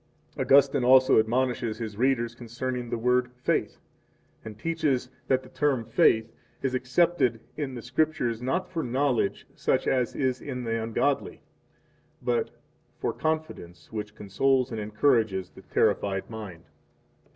Augustine also admonishes his readers concerning the word "faith," and teaches that the term "faith" is accepted in the Scriptures not for knowledge such as is in the ungodly but for confidence which consoles and encourages the terrified mind.